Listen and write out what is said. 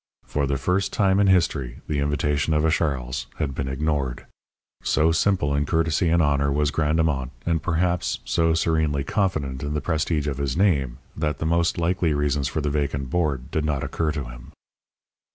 For the first time in history the invitation of a Charles had been ignored. So simple in courtesy and honour was Grandemont, and, perhaps, so serenely confident in the prestige of his name, that the most likely reasons for the vacant board did not occur to him.